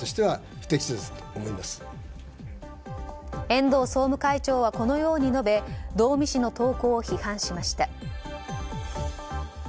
遠藤総務会長はこのように述べ道見氏の投稿を批判しました。